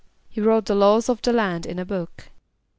=He wrote the laws of the land in a book.